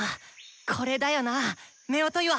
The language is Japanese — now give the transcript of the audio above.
これだよな夫婦岩！